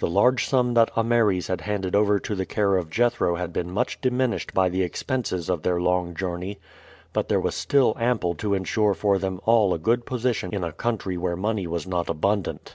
The large sum that Ameres had handed over to the care of Jethro had been much diminished by the expenses of their long journey, but there was still ample to insure for them all a good position in a country where money was not abundant.